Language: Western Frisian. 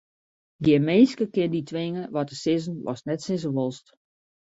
Gjin minske kin dy twinge wat te sizzen watst net sizze wolst.